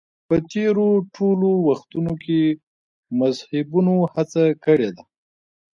په تېرو ټولو وختونو کې مذهبیونو هڅه کړې ده